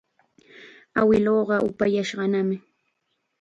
Awiluuqa upayashqanam.